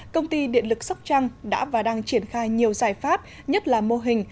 công ty điện lực sóc trăng đã và đang triển khai nhiều giải pháp nhất là mô hình